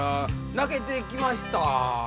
泣けてきました